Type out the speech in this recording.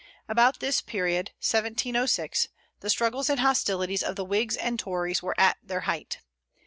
About this period (1706) the struggles and hostilities of the Whigs and Tories were at their height.